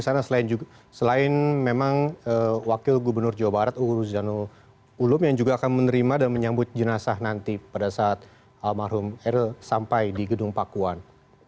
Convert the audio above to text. karena selain memang wakil gubernur jawa barat uruz zanul ulum yang juga akan menerima dan menyambut jenazah nanti pada saat almarhum erl sampai di gedung pakuan